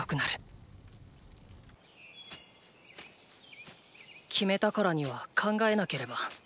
心の声決めたからには考えなければ。